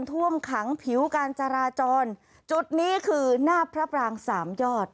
ท่วมขังผิวการจราจรจุดนี้คือหน้าพระปรางสามยอด